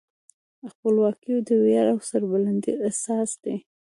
خپلواکي د ویاړ او سربلندۍ اساس دی.